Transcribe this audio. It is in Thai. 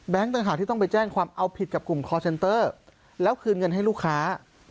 แบงค์ต้องไปแจ้งเสียหายให้ความเอาผิดกับกลุ่มเคราะห์เซ็นเตอร์แล้วคืนเงินให้ลูกค้า